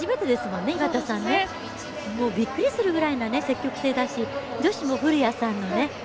びっくりするぐらいの積極性だし女子も古屋さんのね。